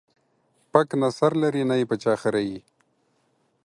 پک نه سر لري ، نې په چا خريي.